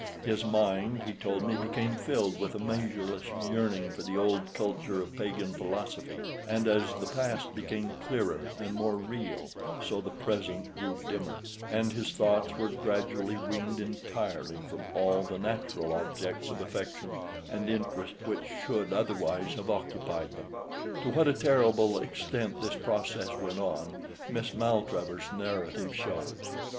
His mind, he told me, became filled with a measureless yearning for the old culture of pagan philosophy, and as the past became clearer and more real, so the present grew dimmer, and his thoughts were gradually weaned entirely from all the natural objects of affection and interest which should otherwise have occupied them. To what a terrible extent this process went on, Miss Maltravers's narrative shows.